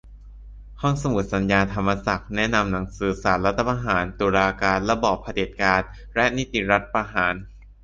ห้องสมุดสัญญา ธรรมศักดิ์ แนะนำหนังสือ "ศาลรัฐประหาร : ตุลาการ ระบอบเผด็จการ และนิติรัฐประหาร"